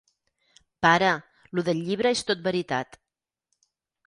Pare, lo del llibre és tot veritat.